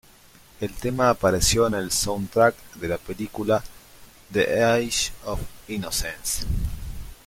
El tema apareció en el soundtrack de la película The Age of Innocence.